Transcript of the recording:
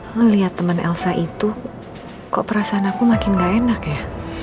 lu liat temen elsa itu kok perasaan aku makin gak enak ya